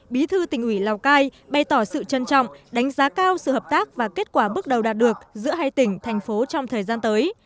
bí thư tỉnh ủy lào cai bày tỏ sự trân trọng đánh giá cao sự hợp tác và kết quả bước đầu đạt được giữa hai tỉnh thành phố trong thời gian tới